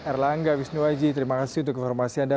erlangga wisnuwaji terima kasih untuk informasi anda